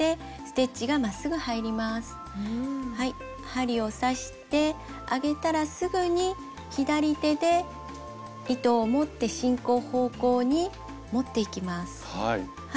針を刺して上げたらすぐに左手で糸を持って進行方向に持っていきます。